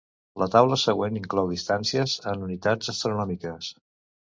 La taula següent inclou distàncies en unitats astronòmiques.